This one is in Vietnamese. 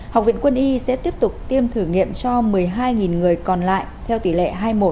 học viện quân y sẽ tiếp tục tiêm thử nghiệm cho một mươi hai người còn lại theo tỷ lệ hai một